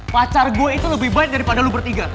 pacar gue itu lebih baik daripada lu bertiga